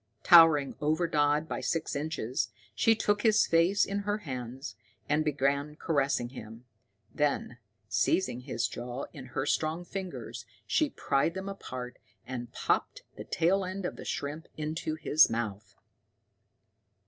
Towering over Dodd by six inches, she took his face in her hands and began caressing him; then, seizing his jaws in her strong fingers, she pried them apart, and popped the tail end of the shrimp into his mouth.